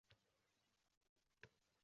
Nowwatch